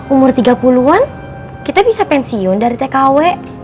umur tiga puluh an kita bisa pensiun dari tkw